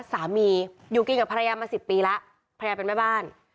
สามีอยู่กินกับภรรยามา๑๐ปีแล้วภรรยาเป็นแม่บ้าน